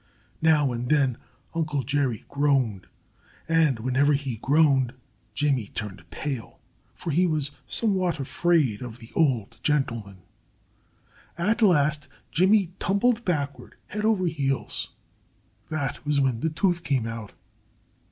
Now and then Uncle Jerry groaned. And whenever he groaned, Jimmy turned pale. For he was somewhat afraid of the old gentleman. At last Jimmy tumbled backward, head over heels. That was when the tooth came out.